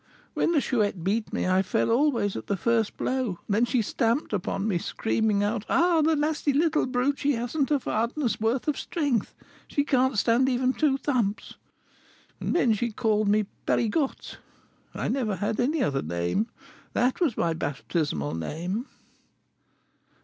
When the Chouette beat me I fell always at the first blow; then she stamped upon me, screaming out, 'Ah, the nasty little brute! she hasn't a farden's worth of strength, she can't stand even two thumps!' And then she called me Pegriotte (little thief). I never had any other name, that was my baptismal name."